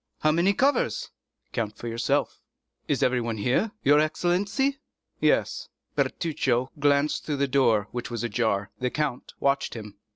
"How many covers?" "Count for yourself." "Is everyone here, your excellency?" "Yes." Bertuccio glanced through the door, which was ajar. The count watched him.